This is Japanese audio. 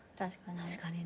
確かに。